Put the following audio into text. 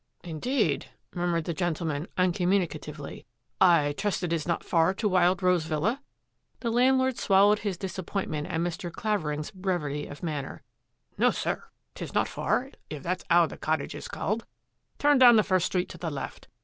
" Indeed !" murmured that gentleman uncom municatively. " I trust it is not far to Wild Rose Villa? " The landlord swallowed his disappointment at Mr. Qavering's brevity of manner. " No, sir. His not far if that's 'ow the cottage is called. Turn down the first street to the left.